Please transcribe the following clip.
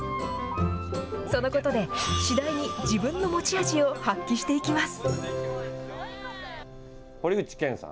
そのことで、次第に自分の持ち味を発揮していきます。